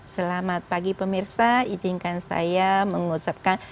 selamat pagi pemirsa izinkan saya mengucapkan